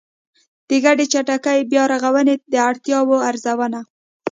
د ګډې چټکې بيا رغونې د اړتیاوو ارزونه